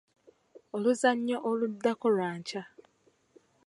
Oluzannya oluddako lwa nkya.